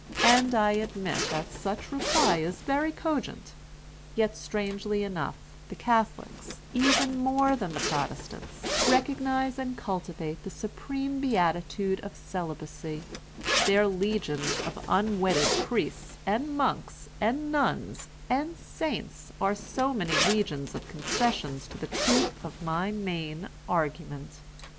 And I admit that such reply is very cogent. Yet, strangely enough, the Catholics, even more than the Protestants, recognise and cultivate the supreme beatitude of celibacy; their legions of unwedded priests, and monks, and nuns and saints are so many legions of concessions to the truth of my main (arguement).